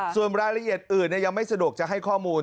ส่วนรายละเอียดอื่นยังไม่สะดวกจะให้ข้อมูล